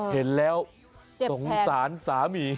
เห็นแล้วสงสารสามี